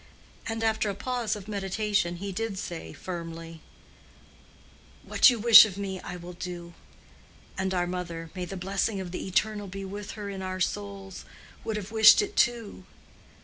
And after a pause of meditation he did say, firmly, "What you wish of me I will do. And our mother—may the blessing of the Eternal be with her in our souls!—would have wished it too.